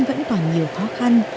vẫn còn nhiều khó khăn